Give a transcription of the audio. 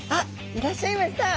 いらっしゃいました。